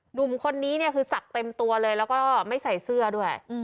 หนุ่มคนนี้เนี่ยคือศักดิ์เต็มตัวเลยแล้วก็ไม่ใส่เสื้อด้วย